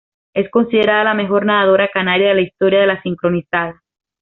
Es considerada la mejor nadadora canaria de la historia de la sincronizada.